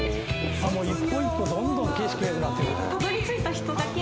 一歩一歩どんどん景色がよくなってく。